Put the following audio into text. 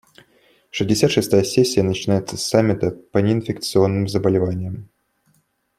Шестьдесят шестая сессия начнется с саммита по неинфекционным заболеваниям.